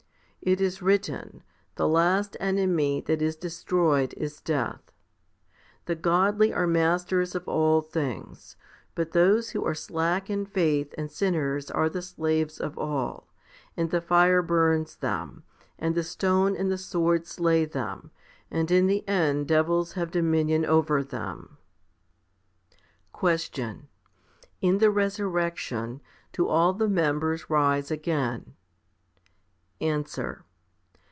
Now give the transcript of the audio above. It is written, The last enemy that is destroyed is death. 1 The godly are masters of all things ; but those who are slack in faith and sinners are the slaves of all, and the fire burns them, and the stone and the sword slay them, and in the end devils have dominion over them. 10. Question. In the resurrection do all the members rise again? Answer.